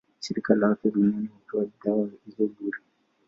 Shirika la Afya Duniani hutoa dawa hizo bure.